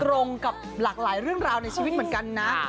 ตรงกับหลากหลายเรื่องราวในชีวิตเหมือนกันนะ